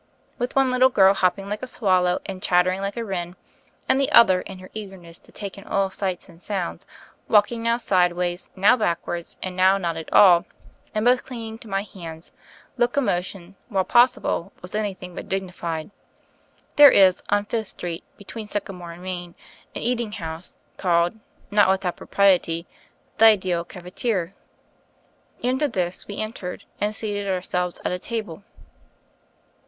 With one little girl hopping like a swal low and chattering like a wren, and the other, in her eagerness to take in all sights and sounds, walking now sideways, now backwards and now not at all, and both clinging to my hands, loco motion, while possible, was anything but dignified. There is, on Fifth St. between Sycamore and Main, an eating house, called, not without propriety, the Ideal Cafetiere. Into this we en tered, and seated ourselves at a table.